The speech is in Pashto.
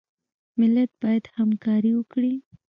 ملت باید همکاري وکړي